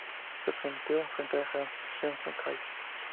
Se planeó enfrentar a Jason High.